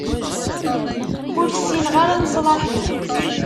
Ur ssineɣ ara leṣlaḥ-iw.